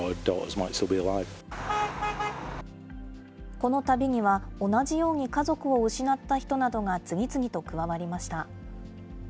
この旅には、同じように家族を失った人などが次々と加わりました。